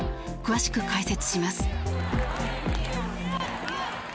詳しく解説します。